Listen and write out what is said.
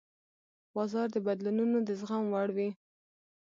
بازار د بدلونونو د زغم وړ وي.